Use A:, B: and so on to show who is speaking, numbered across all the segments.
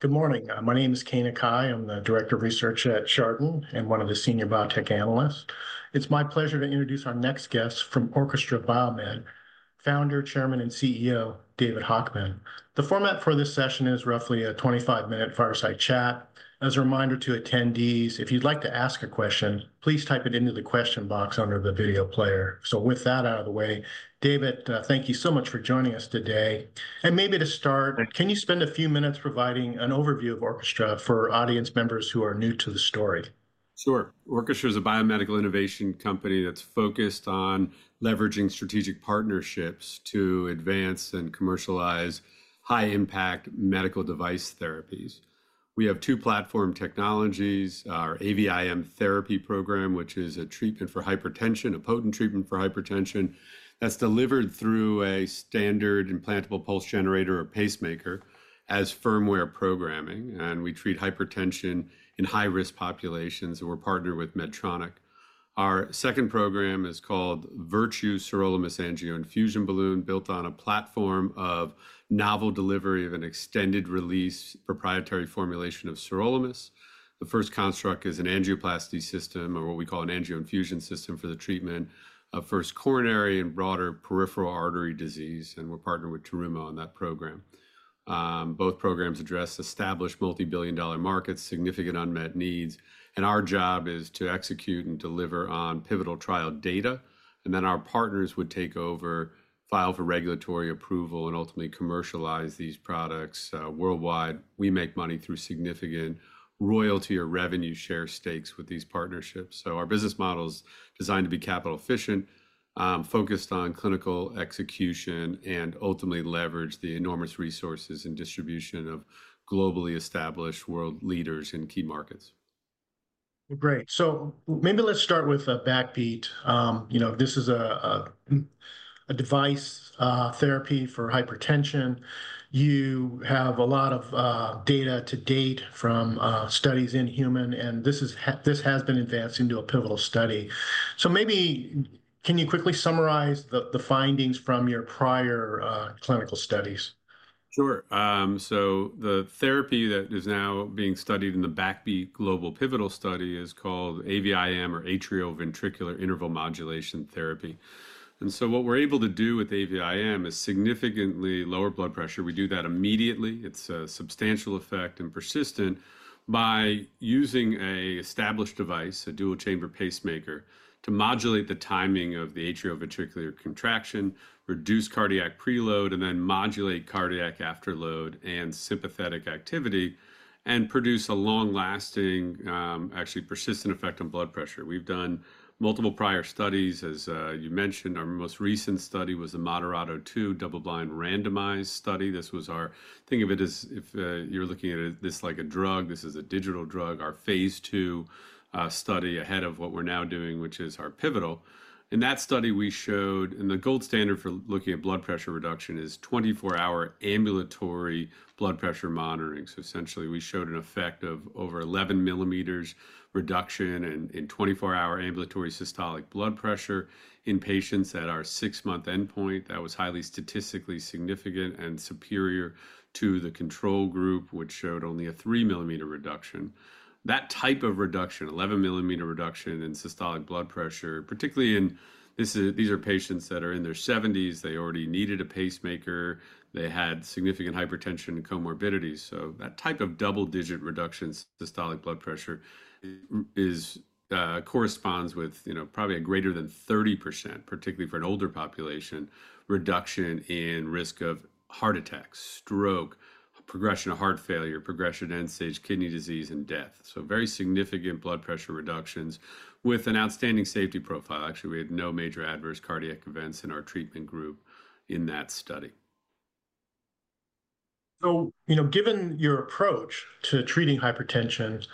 A: Good morning. My name is Keay Nakae. I'm the Director of Research at Chardan and one of the Senior Biotech Analysts. It's my pleasure to introduce our next guest from Orchestra BioMed, founder, chairman, and CEO David Hochman. The format for this session is roughly a 25-minute fireside chat. As a reminder to attendees, if you'd like to ask a question, please type it into the question box under the video player. With that out of the way, David, thank you so much for joining us today. Maybe to start, can you spend a few minutes providing an overview of Orchestra for audience members who are new to the story?
B: Sure. Orchestra is a biomedical innovation company that's focused on leveraging strategic partnerships to advance and commercialize high-impact medical device therapies. We have two platform technologies: our AVIM therapy program, which is a treatment for hypertension, a potent treatment for hypertension that's delivered through a standard implantable pulse generator or pacemaker as firmware programming. We treat hypertension in high-risk populations, and we're partnered with Medtronic. Our second program is called Virtue Sirolimus AngioInfusion Balloon, built on a platform of novel delivery of an extended-release proprietary formulation of sirolimus. The first construct is an angioplasty system, or what we call an AngioInfusion system for the treatment of first coronary and broader peripheral artery disease. We're partnered with Terumo on that program. Both programs address established multi-billion dollar markets, significant unmet needs. Our job is to execute and deliver on pivotal trial data. Our partners would take over, file for regulatory approval, and ultimately commercialize these products worldwide. We make money through significant royalty or revenue share stakes with these partnerships. Our business model is designed to be capital efficient, focused on clinical execution, and ultimately leverage the enormous resources and distribution of globally established world leaders in key markets.
A: Great. Maybe let's start with BACKBEAT. This is a device therapy for hypertension. You have a lot of data to date from studies in human, and this has been advanced into a pivotal study. Maybe can you quickly summarize the findings from your prior clinical studies?
B: Sure. The therapy that is now being studied in the BACKBEAT global pivotal study is called AVIM, or Atrioventricular Interval Modulation Therapy. What we're able to do with AVIM is significantly lower blood pressure. We do that immediately. It's a substantial effect and persistent by using an established device, a dual-chamber pacemaker, to modulate the timing of the atrioventricular contraction, reduce cardiac preload, and then modulate cardiac afterload and sympathetic activity, and produce a long-lasting, actually persistent effect on blood pressure. We've done multiple prior studies, as you mentioned. Our most recent study was the MODERATO II double-blind randomized study. This was our think of it as if you're looking at this like a drug. This is a digital drug, our phase two study ahead of what we're now doing, which is our pivotal. In that study, we showed and the gold standard for looking at blood pressure reduction is 24-hour ambulatory blood pressure monitoring. Essentially, we showed an effect of over 11 mm reduction in 24-hour ambulatory systolic blood pressure in patients at our six-month endpoint. That was highly statistically significant and superior to the control group, which showed only a 3 mm reduction. That type of reduction, 11 mm reduction in systolic blood pressure, particularly in these are patients that are in their 70s. They already needed a pacemaker. They had significant hypertension and comorbidities. That type of double-digit reduction in systolic blood pressure corresponds with probably a greater than 30%, particularly for an older population, reduction in risk of heart attacks, stroke, progression of heart failure, progression of end-stage kidney disease, and death. Very significant blood pressure reductions with an outstanding safety profile. Actually, we had no major adverse cardiac events in our treatment group in that study.
A: Given your approach to treating hypertension,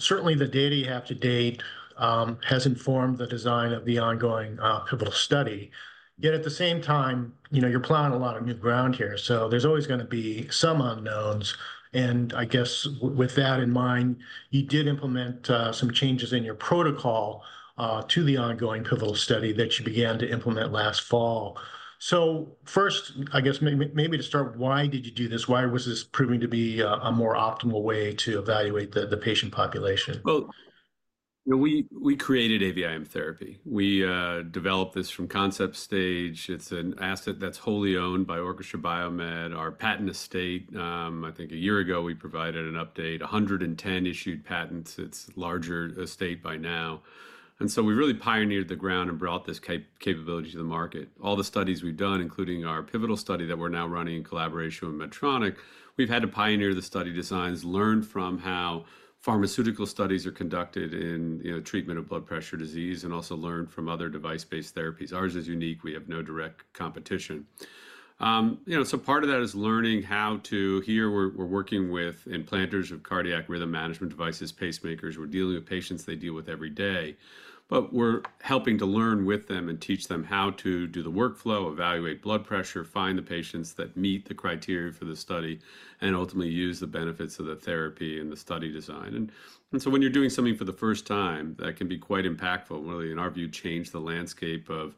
A: certainly the data you have to date has informed the design of the ongoing pivotal study. Yet at the same time, you're plowing a lot of new ground here. There's always going to be some unknowns. I guess with that in mind, you did implement some changes in your protocol to the ongoing pivotal study that you began to implement last fall. First, I guess maybe to start, why did you do this? Why was this proving to be a more optimal way to evaluate the patient population?
B: We created AVIM therapy. We developed this from concept stage. It's an asset that's wholly owned by Orchestra BioMed, our patent estate. I think a year ago, we provided an update, 110 issued patents. It's a larger estate by now. We really pioneered the ground and brought this capability to the market. All the studies we've done, including our pivotal study that we're now running in collaboration with Medtronic, we've had to pioneer the study designs, learn from how pharmaceutical studies are conducted in treatment of blood pressure disease, and also learn from other device-based therapies. Ours is unique. We have no direct competition. Part of that is learning how to here we're working with implanters of cardiac rhythm management devices, pacemakers. We're dealing with patients they deal with every day. We're helping to learn with them and teach them how to do the workflow, evaluate blood pressure, find the patients that meet the criteria for the study, and ultimately use the benefits of the therapy and the study design. When you're doing something for the first time, that can be quite impactful, really, in our view, change the landscape of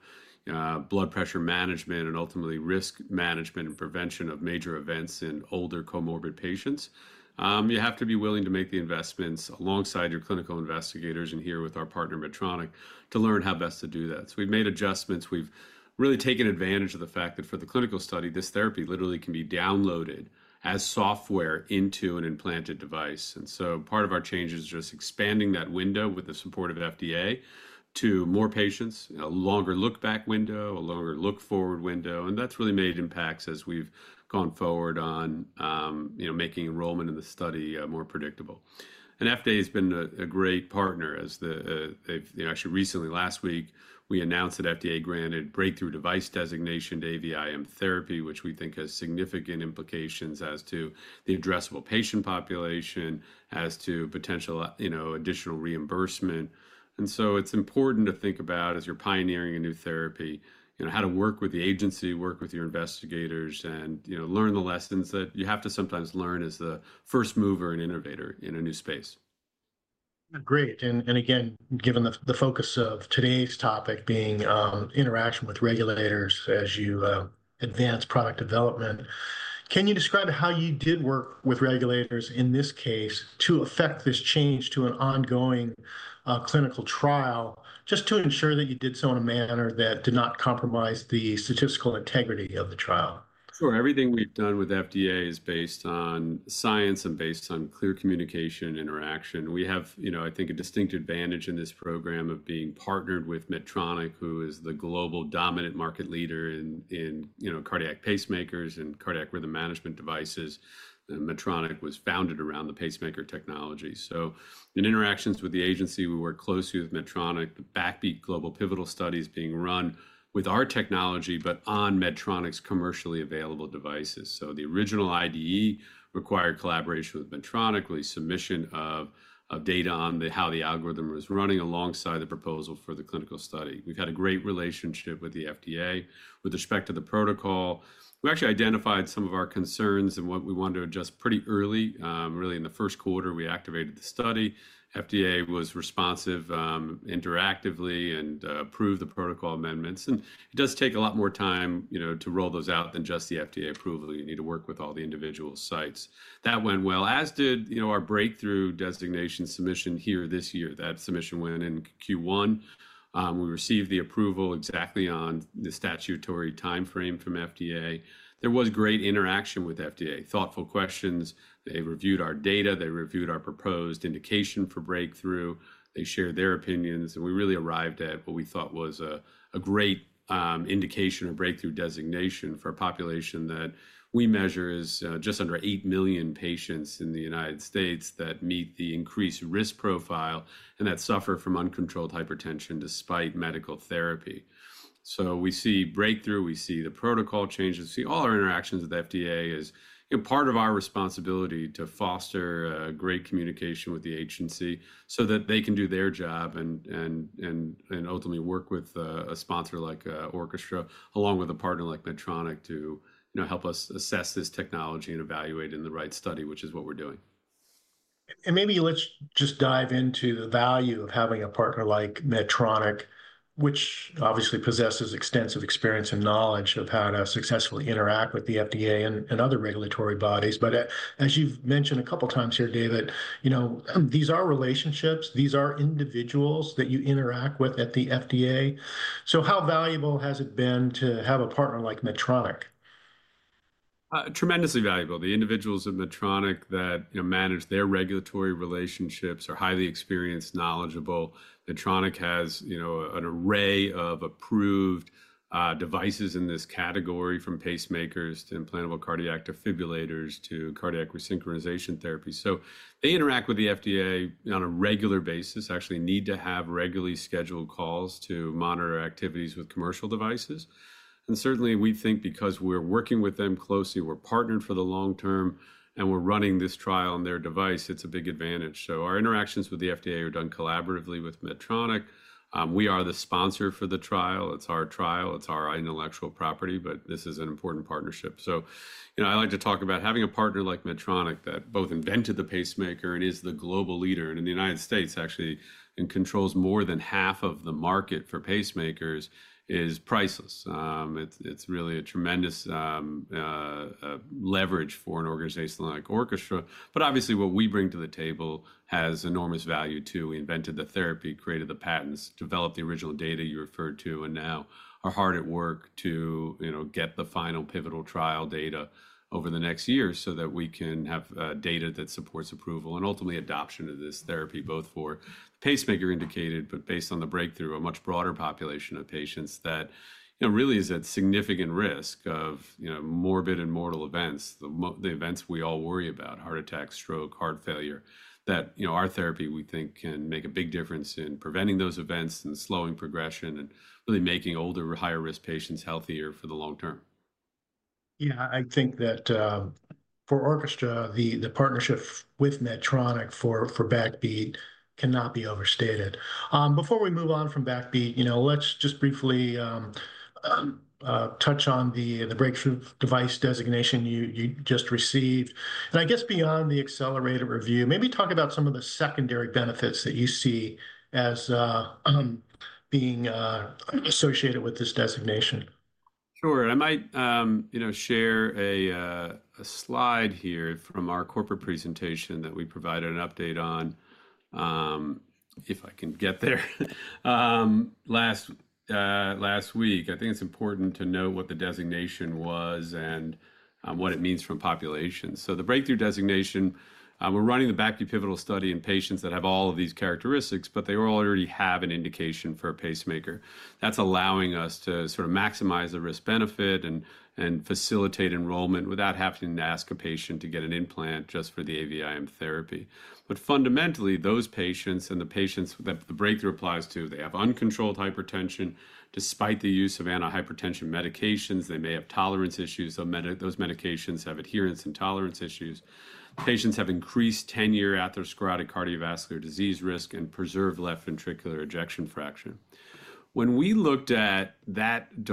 B: blood pressure management and ultimately risk management and prevention of major events in older comorbid patients. You have to be willing to make the investments alongside your clinical investigators and here with our partner, Medtronic, to learn how best to do that. We've made adjustments. We've really taken advantage of the fact that for the clinical study, this therapy literally can be downloaded as software into an implanted device. Part of our change is just expanding that window with the support of FDA to more patients, a longer look-back window, a longer look-forward window. That has really made impacts as we have gone forward on making enrollment in the study more predictable. FDA has been a great partner. They actually recently, last week, we announced that FDA granted breakthrough device designation to AVIM therapy, which we think has significant implications as to the addressable patient population, as to potential additional reimbursement. It is important to think about, as you are pioneering a new therapy, how to work with the agency, work with your investigators, and learn the lessons that you have to sometimes learn as the first mover and innovator in a new space.
A: Great. Again, given the focus of today's topic being interaction with regulators as you advance product development, can you describe how you did work with regulators in this case to affect this change to an ongoing clinical trial, just to ensure that you did so in a manner that did not compromise the statistical integrity of the trial?
B: Sure. Everything we've done with FDA is based on science and based on clear communication and interaction. We have, I think, a distinct advantage in this program of being partnered with Medtronic, who is the global dominant market leader in cardiac pacemakers and cardiac rhythm management devices. Medtronic was founded around the pacemaker technology. In interactions with the agency, we work closely with Medtronic, the BACKBEAT global pivotal study is being run with our technology, but on Medtronic's commercially available devices. The original IDE required collaboration with Medtronic, really submission of data on how the algorithm was running alongside the proposal for the clinical study. We've had a great relationship with the FDA with respect to the protocol. We actually identified some of our concerns and what we wanted to adjust pretty early. Really, in the first quarter, we activated the study. FDA was responsive interactively and approved the protocol amendments. It does take a lot more time to roll those out than just the FDA approval. You need to work with all the individual sites. That went well, as did our breakthrough designation submission here this year. That submission went in Q1. We received the approval exactly on the statutory timeframe from FDA. There was great interaction with FDA, thoughtful questions. They reviewed our data. They reviewed our proposed indication for breakthrough. They shared their opinions. We really arrived at what we thought was a great indication or breakthrough designation for a population that we measure is just under 8 million patients in the United States that meet the increased risk profile and that suffer from uncontrolled hypertension despite medical therapy. We see breakthrough. We see the protocol changes. We see all our interactions with FDA as part of our responsibility to foster great communication with the agency so that they can do their job and ultimately work with a sponsor like Orchestra, along with a partner like Medtronic to help us assess this technology and evaluate in the right study, which is what we're doing.
A: Maybe let's just dive into the value of having a partner like Medtronic, which obviously possesses extensive experience and knowledge of how to successfully interact with the FDA and other regulatory bodies. As you've mentioned a couple of times here, David, these are relationships. These are individuals that you interact with at the FDA. How valuable has it been to have a partner like Medtronic?
B: Tremendously valuable. The individuals at Medtronic that manage their regulatory relationships are highly experienced, knowledgeable. Medtronic has an array of approved devices in this category, from pacemakers to implantable cardiac defibrillators to cardiac resynchronization therapy. They interact with the FDA on a regular basis, actually need to have regularly scheduled calls to monitor activities with commercial devices. Certainly, we think because we're working with them closely, we're partnered for the long term, and we're running this trial on their device, it's a big advantage. Our interactions with the FDA are done collaboratively with Medtronic. We are the sponsor for the trial. It's our trial. It's our intellectual property, but this is an important partnership. I like to talk about having a partner like Medtronic that both invented the pacemaker and is the global leader. In the United States, actually, and controls more than half of the market for pacemakers is priceless. It's really a tremendous leverage for an organization like Orchestra. Obviously, what we bring to the table has enormous value too. We invented the therapy, created the patents, developed the original data you referred to, and now are hard at work to get the final pivotal trial data over the next year so that we can have data that supports approval and ultimately adoption of this therapy, both for pacemaker indicated, but based on the breakthrough, a much broader population of patients that really is at significant risk of morbid and mortal events, the events we all worry about, heart attack, stroke, heart failure, that our therapy, we think, can make a big difference in preventing those events and slowing progression and really making older higher-risk patients healthier for the long term.
A: Yeah, I think that for Orchestra, the partnership with Medtronic for BACKBEAT cannot be overstated. Before we move on from BACKBEAT, let's just briefly touch on the breakthrough device designation you just received. I guess beyond the accelerator review, maybe talk about some of the secondary benefits that you see as being associated with this designation.
B: Sure. I might share a slide here from our corporate presentation that we provided an update on, if I can get there, last week. I think it's important to note what the designation was and what it means for a population. The breakthrough designation, we're running the BACKBEAT pivotal study in patients that have all of these characteristics, but they already have an indication for a pacemaker. That's allowing us to sort of maximize the risk-benefit and facilitate enrollment without having to ask a patient to get an implant just for the AVIM therapy. Fundamentally, those patients and the patients that the breakthrough applies to, they have uncontrolled hypertension. Despite the use of antihypertension medications, they may have tolerance issues. Those medications have adherence and tolerance issues. Patients have increased 10-year atherosclerotic cardiovascular disease risk and preserved left ventricular ejection fraction. When we looked at that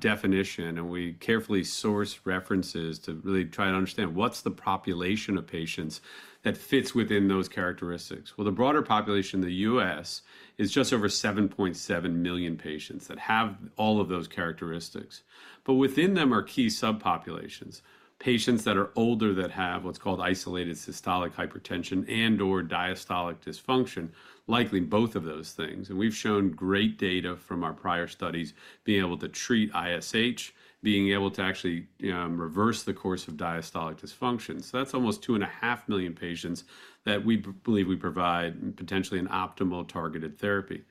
B: definition and we carefully sourced references to really try to understand what's the population of patients that fits within those characteristics. The broader population in the U.S. is just over 7.7 million patients that have all of those characteristics. Within them are key subpopulations, patients that are older that have what's called isolated systolic hypertension and/or diastolic dysfunction, likely both of those things. We've shown great data from our prior studies being able to treat ISH, being able to actually reverse the course of diastolic dysfunction. That's almost 2.5 million patients that we believe we provide potentially an optimal targeted therapy.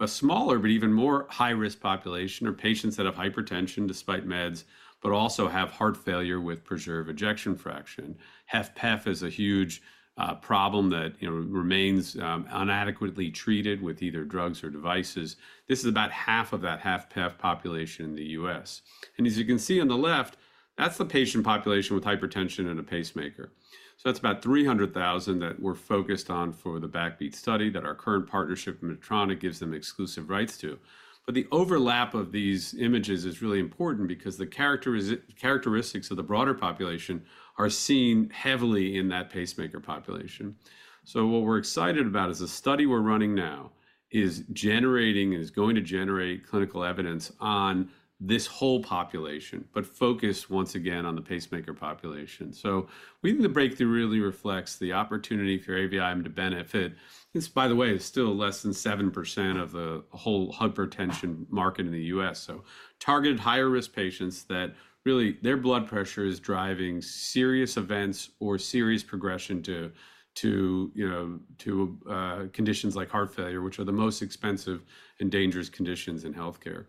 B: A smaller, but even more high-risk population are patients that have hypertension despite meds, but also have heart failure with preserved ejection fraction. HFpEF is a huge problem that remains inadequately treated with either drugs or devices. This is about half of that HFpEF population in the U.S. As you can see on the left, that's the patient population with hypertension and a pacemaker. That's about 300,000 that we're focused on for the BACKBEAT study that our current partnership with Medtronic gives them exclusive rights to. The overlap of these images is really important because the characteristics of the broader population are seen heavily in that pacemaker population. What we're excited about is the study we're running now is generating and is going to generate clinical evidence on this whole population, but focused, once again, on the pacemaker population. We think the breakthrough really reflects the opportunity for AVIM to benefit. By the way, it's still less than 7% of the whole hypertension market in the U.S. Targeted higher-risk patients that really their blood pressure is driving serious events or serious progression to conditions like heart failure, which are the most expensive and dangerous conditions in healthcare.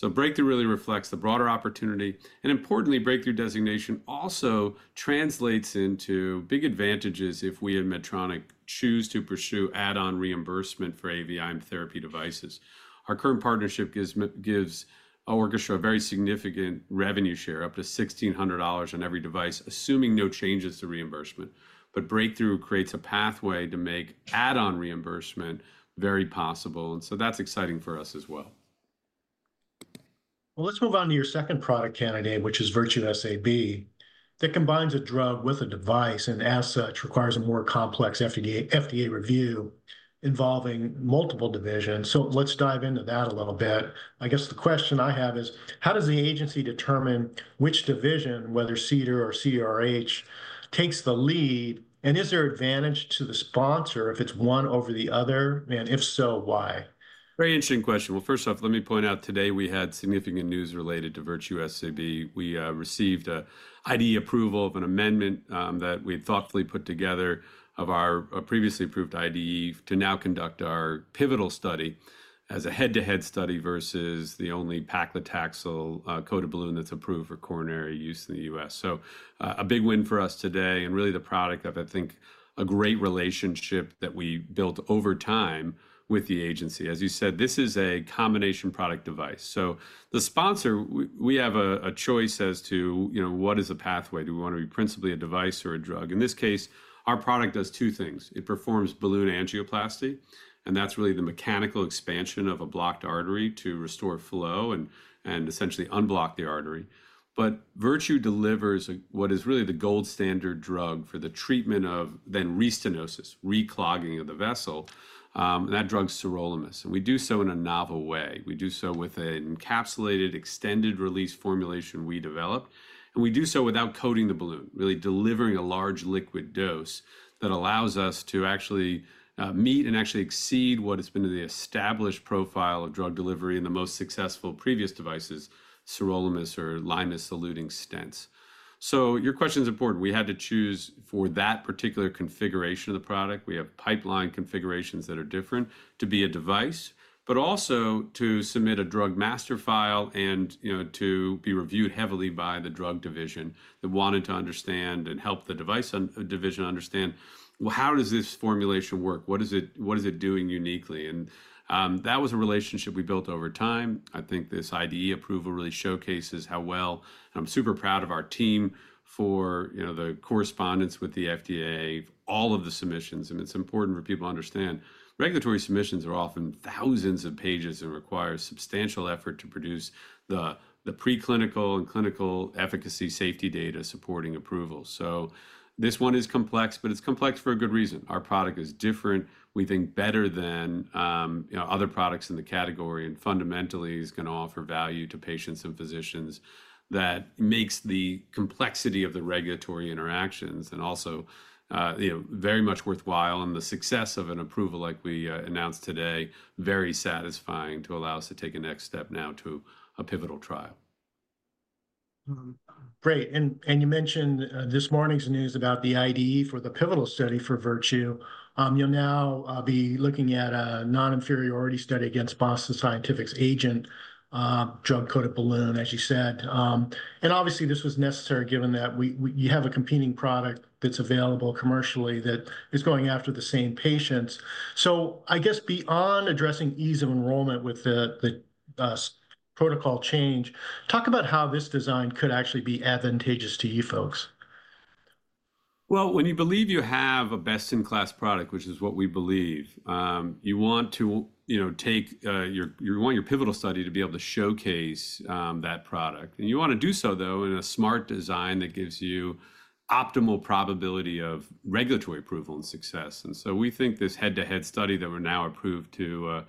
B: Breakthrough really reflects the broader opportunity. Importantly, breakthrough designation also translates into big advantages if we at Medtronic choose to pursue add-on reimbursement for AVIM therapy devices. Our current partnership gives Orchestra a very significant revenue share, up to $1,600 on every device, assuming no changes to reimbursement. Breakthrough creates a pathway to make add-on reimbursement very possible. That is exciting for us as well.
A: Let's move on to your second product candidate, which is Virtue SAB. That combines a drug with a device and as such requires a more complex FDA review involving multiple divisions. Let's dive into that a little bit. I guess the question I have is, how does the agency determine which division, whether CDER or CDRH, takes the lead? Is there advantage to the sponsor if it's one over the other? If so, why?
B: Very interesting question. First off, let me point out today we had significant news related to Virtue SAB. We received an IDE approval of an amendment that we thoughtfully put together of our previously approved IDE to now conduct our pivotal study as a head-to-head study versus the only paclitaxel-coated balloon that's approved for coronary use in the U.S. A big win for us today. Really the product of, I think, a great relationship that we built over time with the agency. As you said, this is a combination product device. The sponsor, we have a choice as to what is a pathway. Do we want to be principally a device or a drug? In this case, our product does two things. It performs balloon angioplasty. That's really the mechanical expansion of a blocked artery to restore flow and essentially unblock the artery. Virtue delivers what is really the gold standard drug for the treatment of then restenosis, reclogging of the vessel. That drug's sirolimus. We do so in a novel way. We do so with an encapsulated extended-release formulation we developed. We do so without coating the balloon, really delivering a large liquid dose that allows us to actually meet and actually exceed what has been the established profile of drug delivery in the most successful previous devices, sirolimus or limus eluting stents. Your question is important. We had to choose for that particular configuration of the product. We have pipeline configurations that are different to be a device, but also to submit a drug master file and to be reviewed heavily by the drug division that wanted to understand and help the device division understand, you know, how does this formulation work? What is it doing uniquely? That was a relationship we built over time. I think this IDE approval really showcases how well. I'm super proud of our team for the correspondence with the FDA, all of the submissions. It's important for people to understand regulatory submissions are often thousands of pages and require substantial effort to produce the preclinical and clinical efficacy safety data supporting approval. This one is complex, but it's complex for a good reason. Our product is different, we think, better than other products in the category and fundamentally is going to offer value to patients and physicians that makes the complexity of the regulatory interactions also very much worthwhile. The success of an approval like we announced today, very satisfying to allow us to take a next step now to a pivotal trial.
A: Great. You mentioned this morning's news about the IDE for the pivotal study for Virtue. You'll now be looking at a non-inferiority study against Boston Scientific's AGENT drug-coated balloon, as you said. Obviously, this was necessary given that you have a competing product that's available commercially that is going after the same patients. I guess beyond addressing ease of enrollment with the protocol change, talk about how this design could actually be advantageous to you folks.
B: When you believe you have a best-in-class product, which is what we believe, you want to take your pivotal study to be able to showcase that product. You want to do so, though, in a smart design that gives you optimal probability of regulatory approval and success. We think this head-to-head study that we're now approved to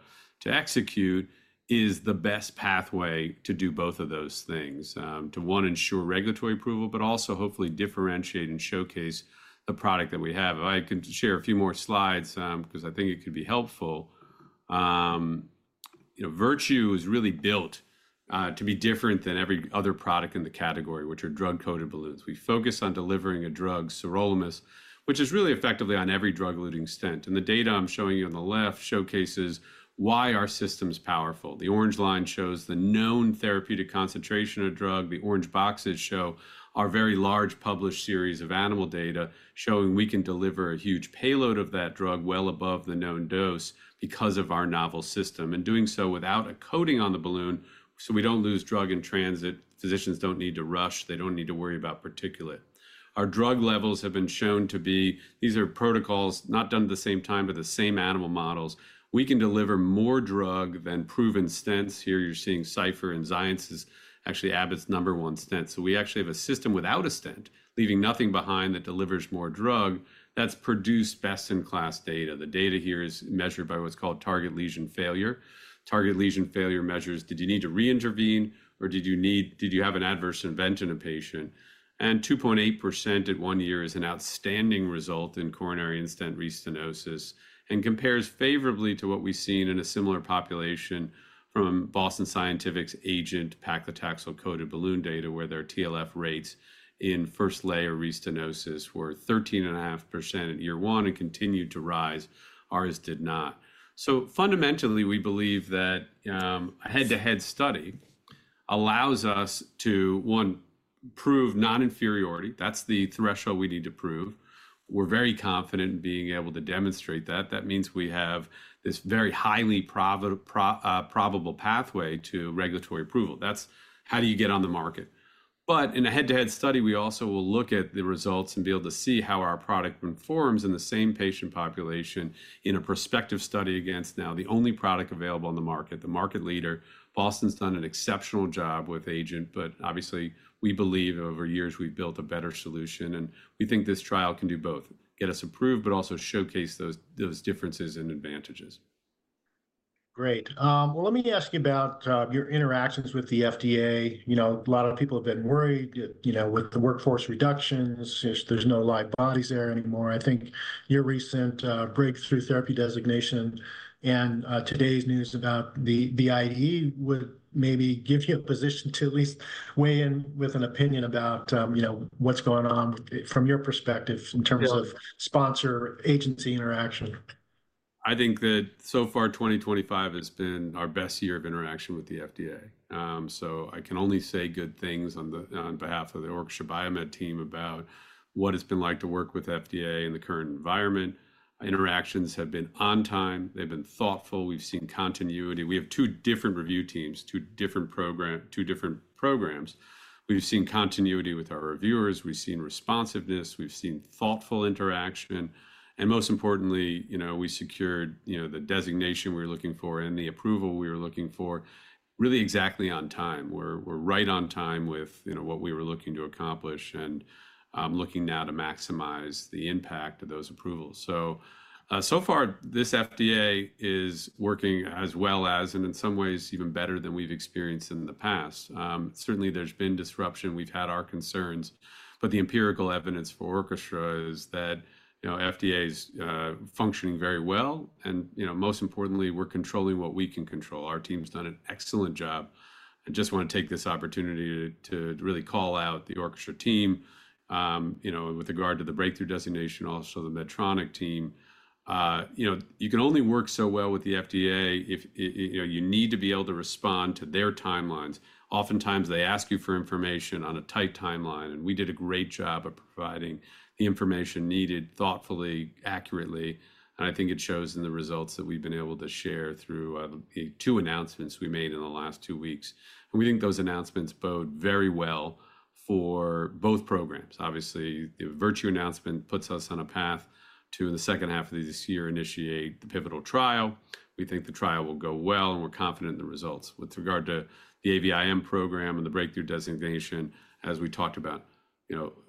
B: execute is the best pathway to do both of those things, to one, ensure regulatory approval, but also hopefully differentiate and showcase the product that we have. I can share a few more slides because I think it could be helpful. Virtue is really built to be different than every other product in the category, which are drug-coated balloons. We focus on delivering a drug, sirolimus, which is really effectively on every drug-eluting stent. The data I'm showing you on the left showcases why our system is powerful. The orange line shows the known therapeutic concentration of drug. The orange boxes show our very large published series of animal data showing we can deliver a huge payload of that drug well above the known dose because of our novel system and doing so without a coating on the balloon. We do not lose drug in transit. Physicians do not need to rush. They do not need to worry about particulate. Our drug levels have been shown to be these are protocols not done at the same time with the same animal models. We can deliver more drug than proven stents. Here you are seeing Cypher and Xience is actually Abbott's number one stent. We actually have a system without a stent, leaving nothing behind that delivers more drug. That has produced best-in-class data. The data here is measured by what is called target lesion failure. Target lesion failure measures, did you need to re-intervene or did you have an adverse event in a patient? 2.8% at one year is an outstanding result in coronary in-stent restenosis and compares favorably to what we've seen in a similar population from Boston Scientific's AGENT paclitaxel-coated balloon data where their TLF rates in first layer restenosis were 13.5% in year one and continued to rise. Ours did not. Fundamentally, we believe that a head-to-head study allows us to, one, prove non-inferiority. That's the threshold we need to prove. We're very confident in being able to demonstrate that. That means we have this very highly probable pathway to regulatory approval. That's how you get on the market. In a head-to-head study, we also will look at the results and be able to see how our product performs in the same patient population in a prospective study against now the only product available on the market, the market leader. Boston's done an exceptional job with AGENT, but obviously, we believe over years we've built a better solution. We think this trial can do both, get us approved, but also showcase those differences and advantages.
A: Great. Let me ask you about your interactions with the FDA. A lot of people have been worried with the workforce reductions. There's no live bodies there anymore. I think your recent breakthrough therapy designation and today's news about the IDE would maybe give you a position to at least weigh in with an opinion about what's going on from your perspective in terms of sponsor-agency interaction.
B: I think that so far, 2025 has been our best year of interaction with the FDA. I can only say good things on behalf of the Orchestra BioMed team about what it's been like to work with FDA in the current environment. Interactions have been on time. They've been thoughtful. We've seen continuity. We have two different review teams, two different programs. We've seen continuity with our reviewers. We've seen responsiveness. We've seen thoughtful interaction. Most importantly, we secured the designation we were looking for and the approval we were looking for really exactly on time. We're right on time with what we were looking to accomplish and looking now to maximize the impact of those approvals. So far, this FDA is working as well as, and in some ways, even better than we've experienced in the past. Certainly, there's been disruption. We've had our concerns. The empirical evidence for Orchestra is that FDA is functioning very well. Most importantly, we're controlling what we can control. Our team's done an excellent job. I just want to take this opportunity to really call out the Orchestra team with regard to the breakthrough designation, also the Medtronic team. You can only work so well with the FDA if you need to be able to respond to their timelines. Oftentimes, they ask you for information on a tight timeline. We did a great job of providing the information needed thoughtfully, accurately. I think it shows in the results that we've been able to share through two announcements we made in the last two weeks. We think those announcements bode very well for both programs. Obviously, the Virtue announcement puts us on a path to, in the second half of this year, initiate the pivotal trial. We think the trial will go well and we're confident in the results. With regard to the AVIM program and the breakthrough designation, as we talked about,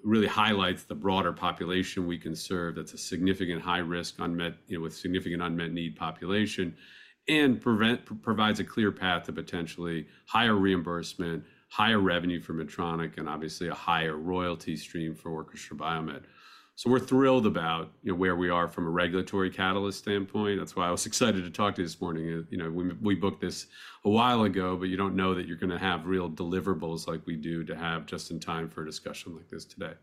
B: really highlights the broader population we can serve that's a significant high risk with significant unmet need population and provides a clear path to potentially higher reimbursement, higher revenue for Medtronic, and obviously a higher royalty stream for Orchestra BioMed. We are thrilled about where we are from a regulatory catalyst standpoint. That's why I was excited to talk to you this morning. We booked this a while ago, but you don't know that you're going to have real deliverables like we do to have just in time for a discussion like this today.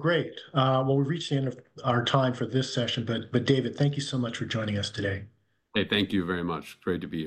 A: Great. We've reached the end of our time for this session. David, thank you so much for joining us today.
B: Hey, thank you very much. Great to be here.